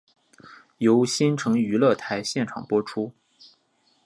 由新城娱乐台现场播出。